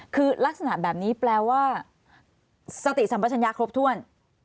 คือลักษณะแบบนี้แปลว่าสติสัมปชัญญาครบถ้วน